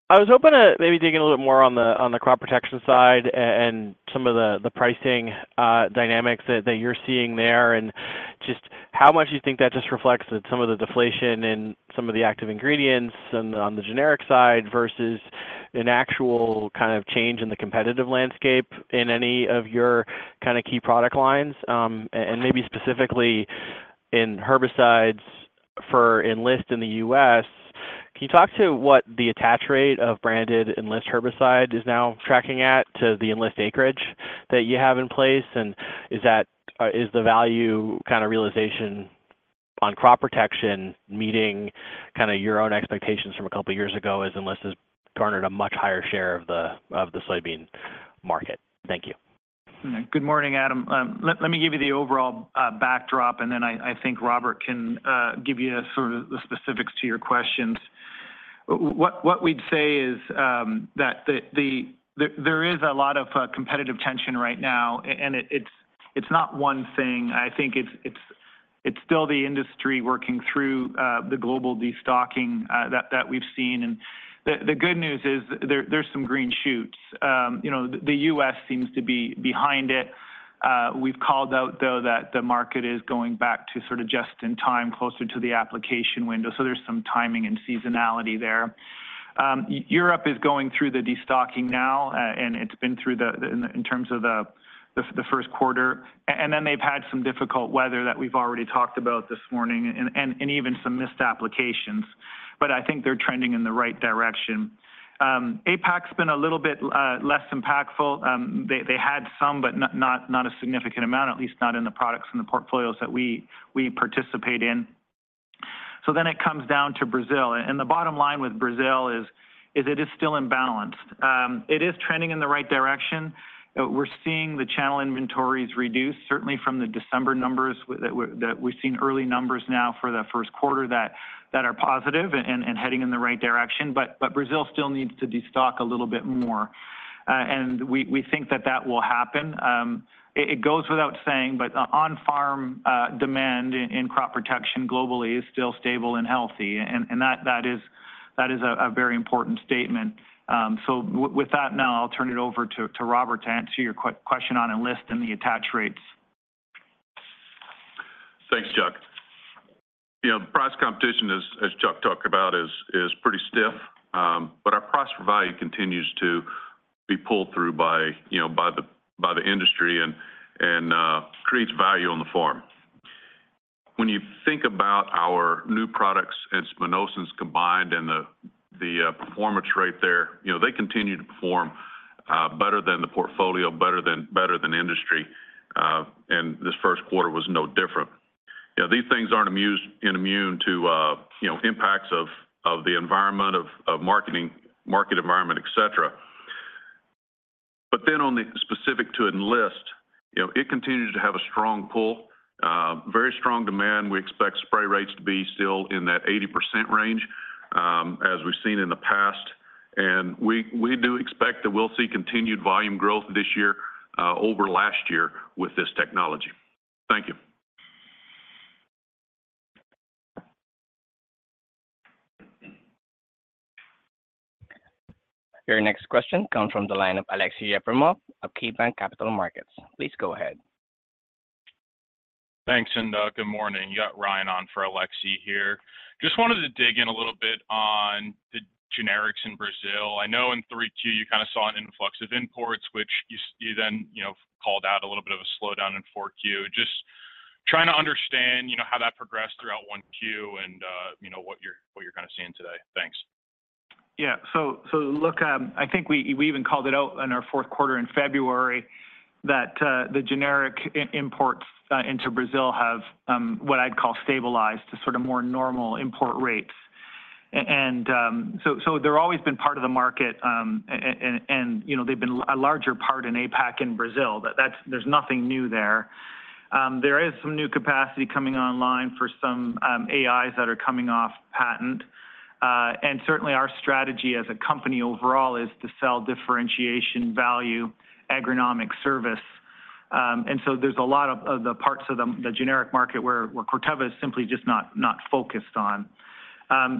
[SPEAKER 14] I was hoping to maybe dig in a little more on the, on the crop protection side and some of the, the pricing dynamics that you're seeing there, and just how much do you think that just reflects that some of the deflation and some of the active ingredients and on the generic side versus an actual kind of change in the competitive landscape in any of your kind of key product lines? And maybe specifically in herbicides for Enlist in the U.S. Can you talk to what the attach rate of branded Enlist herbicide is now tracking at to the Enlist acreage that you have in place? Is that the value kind of realization on crop protection meeting kind of your own expectations from a couple of years ago as Enlist has garnered a much higher share of the soybean market? Thank you.
[SPEAKER 3] Good morning, Adam. Let me give you the overall backdrop, and then I think Robert can give you the specifics to your questions. What we'd say is that there is a lot of competitive tension right now, and it's not one thing. I think it's still the industry working through the global destocking that we've seen. And the good news is there's some green shoots. You know, the U.S. seems to be behind it. We've called out, though, that the market is going back to sort of just in time, closer to the application window, so there's some timing and seasonality there. Europe is going through the destocking now, and it's been through the Q1. And then they've had some difficult weather that we've already talked about this morning and even some missed applications, but I think they're trending in the right direction. APAC's been a little bit less impactful. They had some, but not a significant amount, at least not in the products and the portfolios that we participate in. So then it comes down to Brazil, and the bottom line with Brazil is, it is still imbalanced. It is trending in the right direction. We're seeing the channel inventories reduce, certainly from the December numbers that we're, that we've seen early numbers now for the Q1 that are positive and heading in the right direction. But Brazil still needs to destock a little bit more, and we think that that will happen. It goes without saying, but on-farm demand in crop protection globally is still stable and healthy, and that is a very important statement. So with that now, I'll turn it over to Robert to answer your question on Enlist and the attach rates.
[SPEAKER 10] Thanks, Chuck. You know, price competition, as Chuck talked about, is pretty stiff, but our price for value continues to be pulled through by the industry and creates value on the farm. When you think about our new products and Spinosyns combined and the performance rate there, you know, they continue to perform better than the portfolio, better than industry, and this Q1 was no different. You know, these things aren't immune to, you know, impacts of the environment, of the market environment, et cetera. But then on the specific to Enlist, you know, it continues to have a strong pull, very strong demand. We expect spray rates to be still in that 80% range, as we've seen in the past, and we do expect that we'll see continued volume growth this year over last year with this technology. Thank you.
[SPEAKER 1] Your next question comes from the line of Aleksey Yefremov of KeyBanc Capital Markets. Please go ahead.
[SPEAKER 15] Thanks, and good morning. You got Ryan on for Alexei here. Just wanted to dig in a little bit on the generics in Brazil. I know in 3Q, you kind of saw an influx of imports, which you then, you know, called out a little bit of a slowdown in 4Q. Just trying to understand, you know, how that progressed throughout 1Q and, you know, what you're kind of seeing today. Thanks.
[SPEAKER 3] Yeah. So, so look, I think we, we even called it out in our Q4 in February, that, the generic imports into Brazil have, what I'd call stabilized to sort of more normal import rates. And, so, so they're always been part of the market, and, and, you know, they've been a larger part in APAC in Brazil, but that's-- there's nothing new there. There is some new capacity coming online for some, AIs that are coming off patent. And certainly our strategy as a company overall is to sell differentiation, value, agronomic service.... And so there's a lot of, of the parts of the, the generic market where, where Corteva is simply just not, not focused on.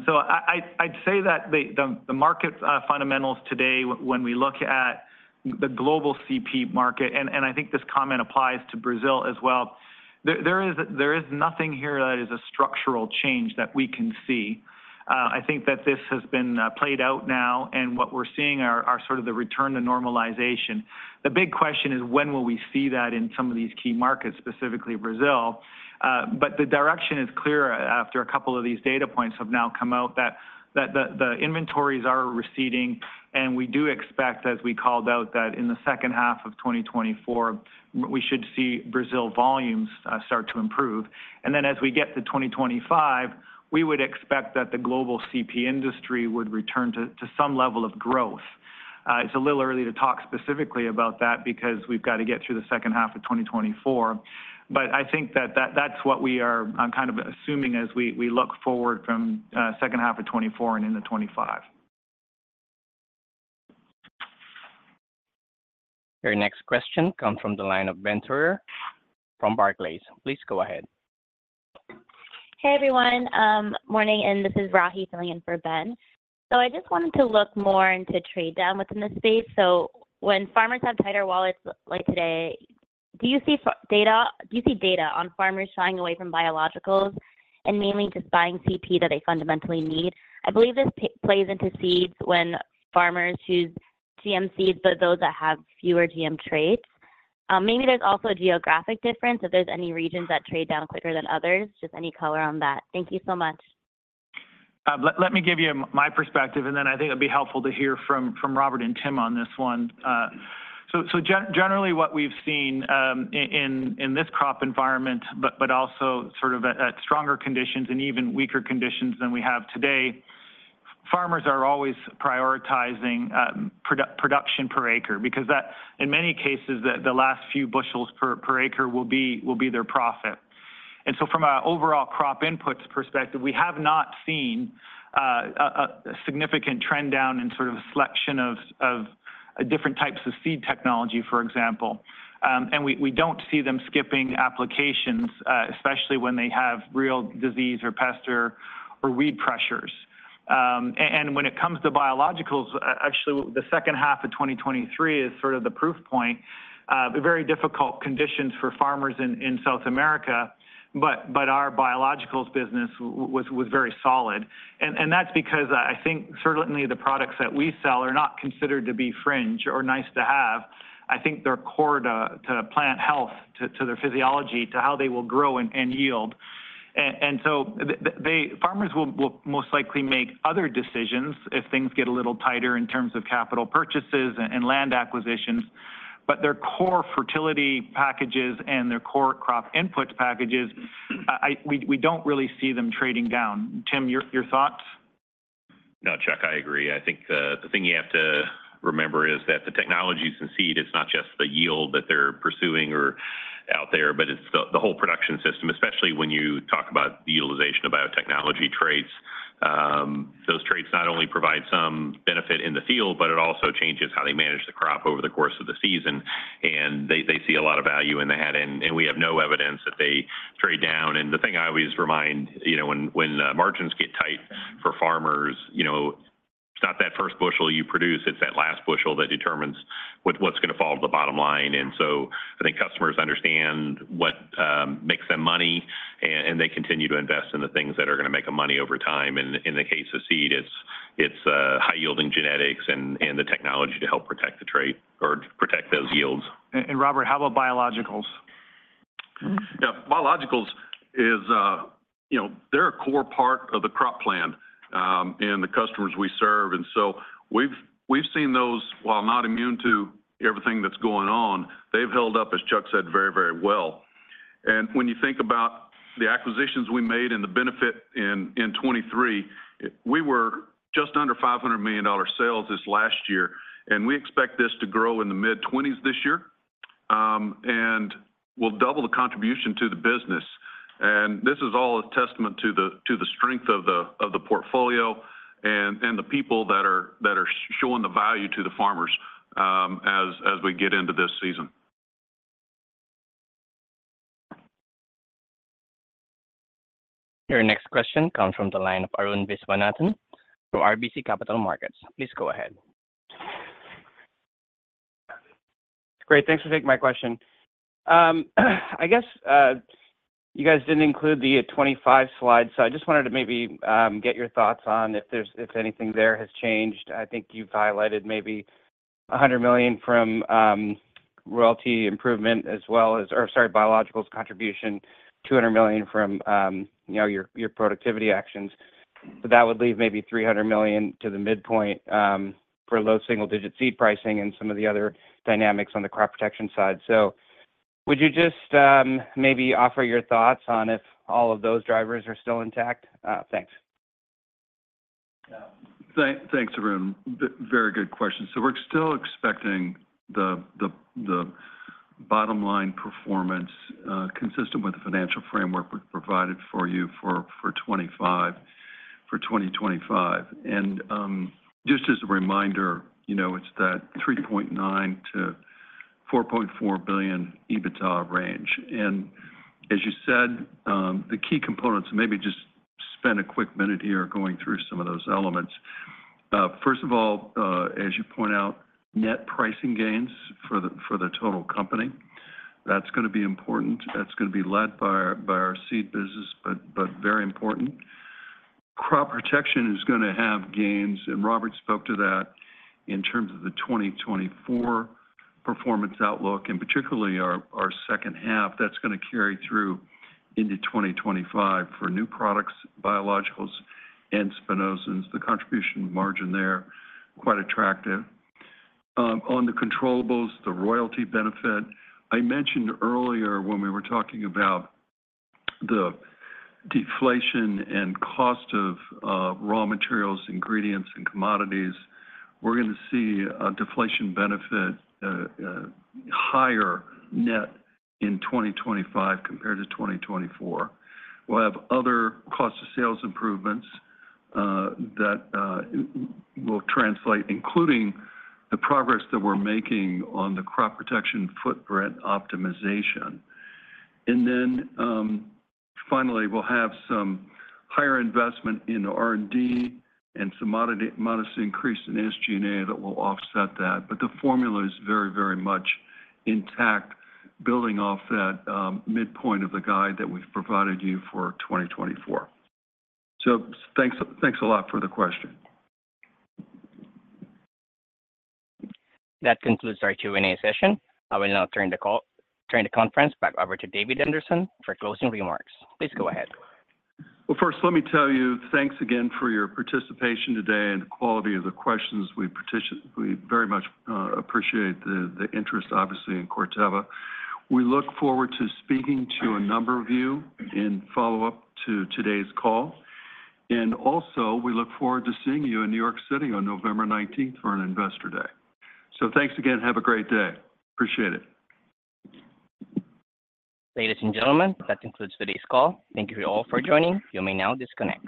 [SPEAKER 3] So I'd say that the market's fundamentals today when we look at the global CP market, and I think this comment applies to Brazil as well. There is nothing here that is a structural change that we can see. I think that this has been played out now, and what we're seeing are sort of the return to normalization. The big question is: When will we see that in some of these key markets, specifically Brazil? But the direction is clear after a couple of these data points have now come out, that the inventories are receding, and we do expect, as we called out, that in the second half of 2024 we should see Brazil volumes start to improve. And then, as we get to 2025, we would expect that the global CP industry would return to some level of growth. It's a little early to talk specifically about that because we've got to get through the second half of 2024, but I think that that's what we are kind of assuming as we look forward from second half of 2024 and into 2025.
[SPEAKER 1] Your next question comes from the line of Benjamin Theurer from Barclays. Please go ahead.
[SPEAKER 16] Hey, everyone. Morning, and this is Rahi filling in for Benjamin. So I just wanted to look more into trade down within the space. So when farmers have tighter wallets like today, do you see data on farmers shying away from biologicals and mainly just buying CP that they fundamentally need? I believe this plays into seeds when farmers choose GM seeds, but those that have fewer GM traits. Maybe there's also a geographic difference, if there's any regions that trade down quicker than others. Just any color on that. Thank you so much.
[SPEAKER 3] Let me give you my perspective, and then I think it'd be helpful to hear from Robert and Tim on this one. Generally, what we've seen in this crop environment, but also sort of at stronger conditions and even weaker conditions than we have today, farmers are always prioritizing production per acre because that... in many cases, the last few bushels per acre will be their profit. From an overall crop inputs perspective, we have not seen a significant trend down in sort of selection of different types of seed technology, for example. And we don't see them skipping applications, especially when they have real disease or pest or weed pressures. And when it comes to biologicals, actually, the second half of 2023 is sort of the proof point. The very difficult conditions for farmers in South America, but our biologicals business was very solid. And that's because, I think certainly the products that we sell are not considered to be fringe or nice to have. I think they're core to plant health, to their physiology, to how they will grow and yield. And so they farmers will most likely make other decisions if things get a little tighter in terms of capital purchases and land acquisitions, but their core fertility packages and their core crop input packages, we don't really see them trading down. Tim, your thoughts?
[SPEAKER 7] No, Charles, I agree. I think the thing you have to remember is that the technologies in seed, it's not just the yield that they're pursuing or out there, but it's the whole production system, especially when you talk about the utilization of biotechnology traits. Those traits not only provide some benefit in the field, but it also changes how they manage the crop over the course of the season, and they see a lot of value in the head, and we have no evidence that they trade down. And the thing I always remind, you know, when margins get tight for farmers, you know, it's not that first bushel you produce, it's that last bushel that determines what's gonna fall to the bottom line. And so I think customers understand what makes them money, and they continue to invest in the things that are gonna make them money over time. And in the case of seed, it's high-yielding genetics and the technology to help protect the trait or protect those yields.
[SPEAKER 3] Robert, how about biologicals?
[SPEAKER 10] Yeah. Biologicals is, you know, they're a core part of the crop plan, and the customers we serve. And so we've, we've seen those, while not immune to everything that's going on, they've held up, as Chuck said, very, very well. And when you think about the acquisitions we made and the benefit in 2023, we were just under $500 million sales this last year, and we expect this to grow in the mid-20s% this year. And we'll double the contribution to the business, and this is all a testament to the strength of the portfolio and the people that are showing the value to the farmers, as, as we get into this season.
[SPEAKER 1] Your next question comes from the line of Arun Viswanathan from RBC Capital Markets. Please go ahead.
[SPEAKER 17] Great. Thanks for taking my question. I guess you guys didn't include the 2025 slide, so I just wanted to maybe get your thoughts on if anything there has changed. I think you've highlighted maybe $100 million from royalty improvement as well as or sorry, biologicals contribution, $200 million from you know, your productivity actions. But that would leave maybe $300 million to the midpoint for low single-digit seed pricing and some of the other dynamics on the crop protection side. So would you just maybe offer your thoughts on if all of those drivers are still intact? Thanks.
[SPEAKER 10] Thanks, Arun. Very good question. So we're still expecting the bottom-line performance consistent with the financial framework we've provided for you for 2025. for 2025. And, just as a reminder, you know, it's that $3.9 billion-$4.4 billion EBITDA range. And as you said, the key components, maybe just spend a quick minute here going through some of those elements. First of all, as you point out, net pricing gains for the, for the total company, that's gonna be important. That's gonna be led by our, by our seed business, but, but very important. Crop protection is gonna have gains, and Robert spoke to that in terms of the 2024 performance outlook, and particularly our, our second half. That's gonna carry through into 2025 for new products, biologicals, and spinosyns. The contribution margin there, quite attractive.
[SPEAKER 4] On the controllables, the royalty benefit, I mentioned earlier when we were talking about the deflation and cost of raw materials, ingredients, and commodities, we're gonna see a deflation benefit, higher net in 2025 compared to 2024. We'll have other cost of sales improvements that will translate, including the progress that we're making on the crop protection footprint optimization. And then, finally, we'll have some higher investment in R&D and some modest increase in SG&A that will offset that. But the formula is very, very much intact, building off that midpoint of the guide that we've provided you for 2024. So thanks, thanks a lot for the question.
[SPEAKER 1] That concludes our Q&A session. I will now turn the conference back over to David Anderson for closing remarks. Please go ahead.
[SPEAKER 4] Well, first, let me tell you, thanks again for your participation today and the quality of the questions. We very much appreciate the interest, obviously, in Corteva. We look forward to speaking to a number of you in follow-up to today's call. Also, we look forward to seeing you in New York City on November nineteenth for an Investor Day. Thanks again. Have a great day. Appreciate it.
[SPEAKER 1] Ladies and gentlemen, that concludes today's call. Thank you all for joining. You may now disconnect.